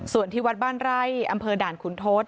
ส่วนที่วัดบ้านไร่อำเภอด่านขุนทศ